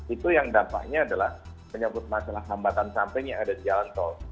itu yang dampaknya adalah menyebut masalah hambatan samping yang ada di jalan tol